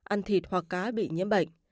ăn thịt hoặc cá bị nhiễm bệnh